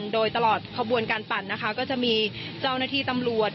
โดยตลอดขบวนการปั่นนะคะก็จะมีเจ้าหน้าที่ตำรวจ